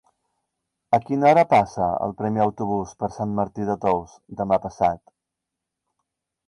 A quina hora passa el primer autobús per Sant Martí de Tous demà passat?